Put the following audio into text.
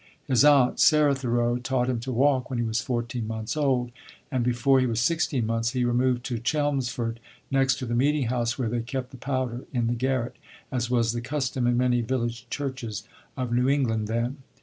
His aunt, Sarah Thoreau, taught him to walk when he was fourteen months old, and before he was sixteen months he removed to Chelmsford, "next to the meeting house, where they kept the powder, in the garret," as was the custom in many village churches of New England then.